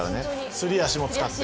すり足も使って。